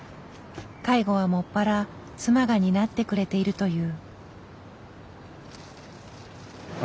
介護はもっぱら妻が担ってくれているという。